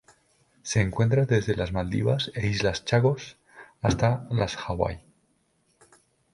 Se encuentra desde las Maldivas e Islas Chagos hasta las Hawaii.